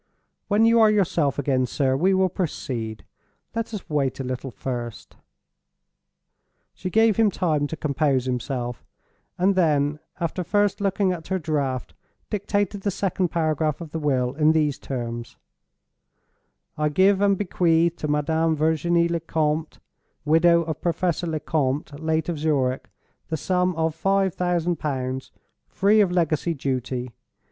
"When you are yourself again, sir, we will proceed. Let us wait a little first." She gave him time to compose himself; and then, after first looking at her Draft, dictated the second paragraph of the will, in these terms: "I give and bequeath to Madame Virginie Lecompte (widow of Professor Lecompte, late of Zurich) the sum of Five Thousand Pounds, free of Legacy Duty.